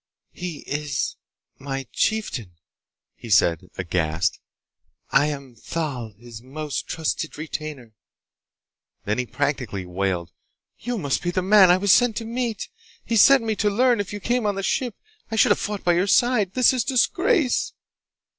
"He is ... my chieftain," he said, aghast. "I ... am Thal, his most trusted retainer." Then he practically wailed, "You must be the man I was sent to meet! He sent me to learn if you came on the ship! I should have fought by your side! This is disgrace!"